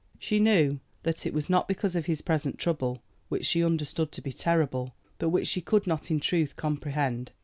She knew that it was not because of his present trouble, which she understood to be terrible, but which she could not in truth comprehend.